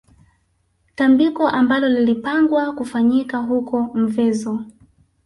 Tambiko ambalo lilipangwa kufanyika huko Mvezo